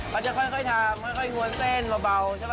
มันจะค่อยทำค่อยนวลเส้นเบาใช่ป่ะ